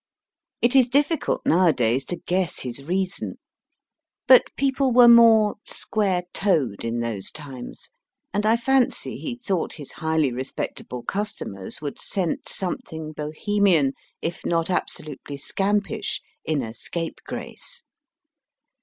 It is difficult, nowadays, to guess his reason, but people were more KILLED BY LIONS * square toed in those times, and I fancy he thought his highly respectable customers would scent something Bohemian, if 26 MY FIRST BOOK not absolutely scampish, in a Scapegrace.